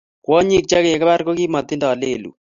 kwonyik che kikipar ko kimatindo lelut